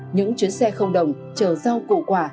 những chuyến xe không đồng chờ giao cụ quả